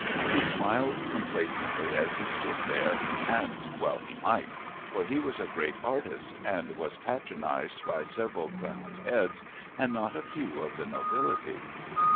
He smiled complacently as he stood there, and well he might, for he was a great artist and was patronized by several crowned heads and not a few of the nobility.